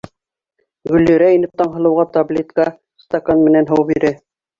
Гөллирә инеп Таңһылыуға таблетка, стакан менән һыу бирә.